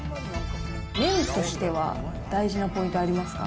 麺としては大事なポイントありますか。